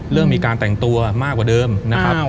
เริ่มมีการแต่งตัวมากกว่าเดิมนะครับ